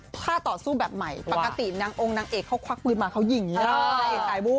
ถ้าต่อสู้แบบใหม่ปกตินางองค์นางเอกเขาควักปืนมาเขายิงอย่างนี้